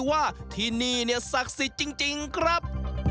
ว่าที่นี่เนี่ยศักดิ์สิทธิ์จริงครับ